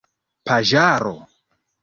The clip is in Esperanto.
paĝaro